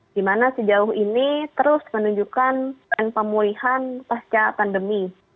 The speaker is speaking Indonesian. dimana sejauh ini terus menunjukkan pengpemulihan pasca pandemi